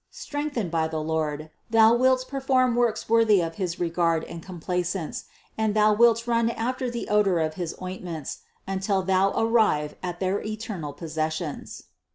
Strengthened by the Lord, thou wilt perform works worthy of his regard and complaisance and thou wilt run after the odor of his ointments until thou arrive at their eternal possessions.